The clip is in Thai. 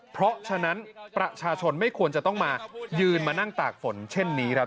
เพราะฉะนั้นประชาชนไม่ควรจะต้องมายืนมานั่งตากฝนเช่นนี้ครับ